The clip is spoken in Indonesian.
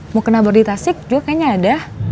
mau kena bordi tasik juga kayaknya ada